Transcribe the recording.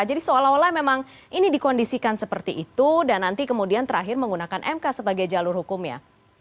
jadi seolah olah memang ini dikondisikan seperti itu dan nanti kemudian terakhir menggunakan mk sebagai jalur hukum ya